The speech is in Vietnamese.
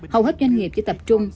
hầu hết doanh nghiệp chỉ tập trung